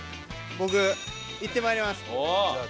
僕行って参ります。